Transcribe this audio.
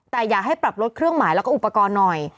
แต่อยากให้ปรับลดเครื่องหมายแล้วก็อุปกรณ์หน่อย